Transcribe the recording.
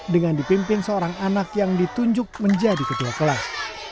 dengan dipimpin seorang anak yang ditunjuk menjadi ketua kelas